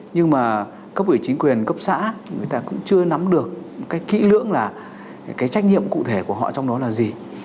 nhưng mà cấp ủy chính quyền cấp xã người ta cũng chưa nắm được cái kỹ lưỡng là cái trách nhiệm cụ thể của họ trong đó là gì